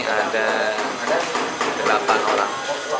ada delapan orang